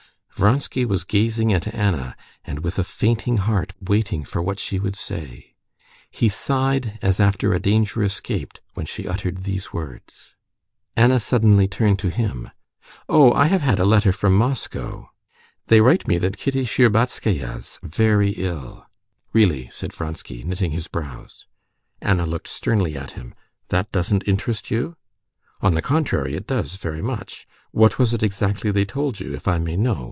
Vronsky was gazing at Anna, and with a fainting heart waiting for what she would say. He sighed as after a danger escaped when she uttered these words. Anna suddenly turned to him. "Oh, I have had a letter from Moscow. They write me that Kitty Shtcherbatskaya's very ill." "Really?" said Vronsky, knitting his brows. Anna looked sternly at him. "That doesn't interest you?" "On the contrary, it does, very much. What was it exactly they told you, if I may know?"